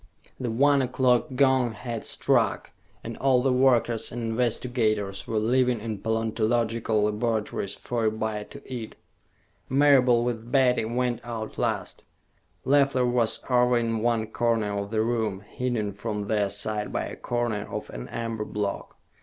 The one o'clock gong had struck, and all the workers and investigators were leaving in paleontological laboratories for a bite to eat. Marable, with Betty, went out last. Leffler was over in one corner of the room, hidden from their sight by a corner of an amber block.